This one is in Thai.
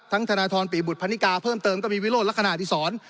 ทั้งธนาธรณ์ปีบุตรพนิกาเพิ่มเติมก็มีวิโรธลักษณะอธิษฐรณ์